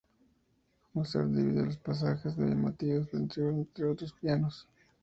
Mozart divide los pasajes más llamativos por igual entre los dos pianos.